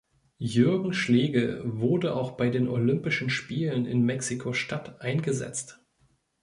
Jürgen Schlegel wurde auch bei den Olympischen Spielen in Mexiko-Stadt eingesetzt.